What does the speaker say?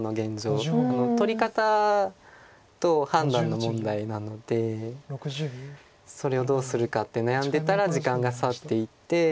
取り方と判断の問題なのでそれをどうするかって悩んでたら時間が去っていって。